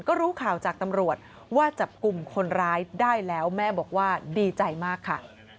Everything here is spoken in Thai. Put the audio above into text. ก็รู้ข่าวจากตำรวจว่าจับกลุ่มคนร้ายได้แล้วแม่บอกว่าดีใจมากค่ะ